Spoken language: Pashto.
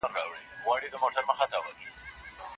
لوړ اهداف ولرئ.